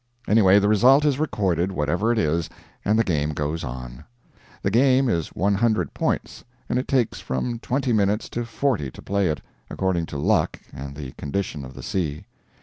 Anyway, the result is recorded, whatever it is, and the game goes on. The game is 100 points, and it takes from twenty minutes to forty to play it, according to luck and the condition of the sea.